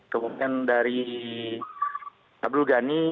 kemudian dari abdul ghani